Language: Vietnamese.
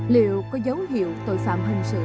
liệu có dấu hiệu tội phạm hình sự